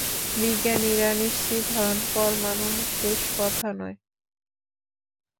বিজ্ঞানীরা নিশ্চিত হন পরমাণুই শেষ কথা নয়।